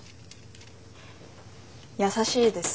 優しいです。